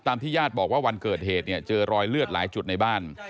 ที่ญาติบอกว่าวันเกิดเหตุเนี่ยเจอรอยเลือดหลายจุดในบ้าน